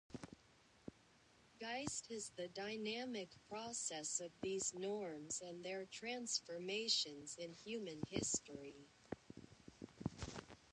Geist is the dynamic process of these norms and their transformations in human history.